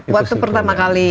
waktu pertama kali